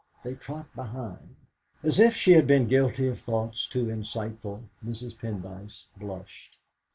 They trot behind." As if she had been guilty of thoughts too insightful, Mrs. Pendyce blushed.